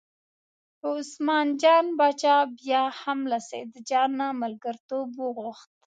خو عثمان جان باچا بیا هم له سیدجان نه ملګرتوب وغوښت.